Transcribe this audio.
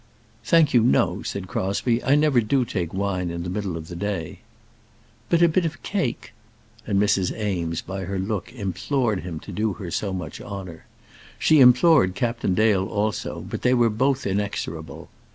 "Thank you, no," said Crosbie. "I never do take wine in the middle of the day." "But a bit of cake?" And Mrs. Eames by her look implored him to do her so much honour. She implored Captain Dale, also, but they were both inexorable.